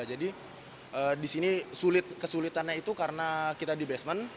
jadi disini kesulitannya itu karena kita di basement